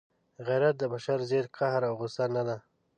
غیرت د بشر ضد قهر او غصه نه ده.